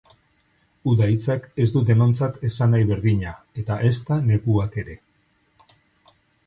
Uda hitzak ez du denontzat esanahi berdina eta ezta neguak ere.